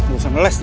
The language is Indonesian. urusan les dia